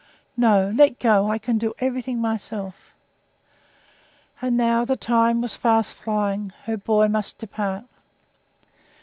"No! Let go! I can do everything myself." And now the time was fast flying her boy must depart.